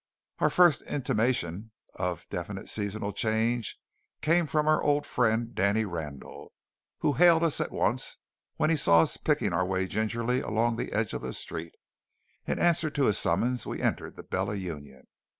Our first intimation of a definite seasonal change came from our old friend Danny Randall, who hailed us at once when he saw us picking our way gingerly along the edge of the street. In answer to his summons we entered the Bella Union.